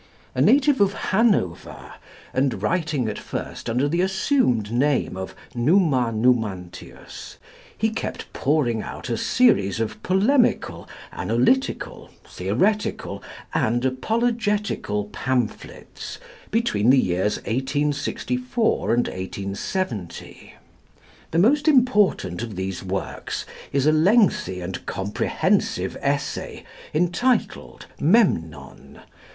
A native of Hanover, and writing at first under the assumed name of Numa Numantius, he kept pouring out a series of polemical, analytical, theoretical, and apologetical pamphlets between the years 1864 and 1870. The most important of these works is a lengthy and comprehensive Essay entitled "Memnon.